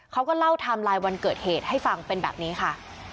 เขาก็เล่าไทม์ไลน์วันเกิดเหตุให้ฟังเป็นแบบนี้ค่ะ